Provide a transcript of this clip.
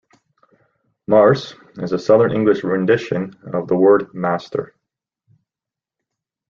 "Marse" is a Southern English rendition of the word "master".